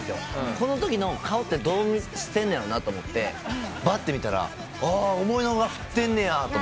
このときの顔ってどうしてんねやろなと思ってばっと見たら思いの外振ってんねやと思って。